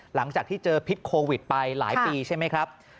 หลังจากที่เจอพิษโควิดไปหลายปีใช่ไหมครับ